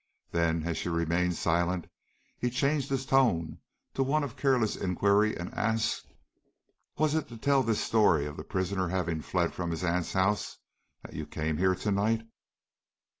Then, as she remained silent, he changed his tone to one of careless inquiry, and asked: "Was it to tell this story of the prisoner having fled from his aunt's house that you came here to night?"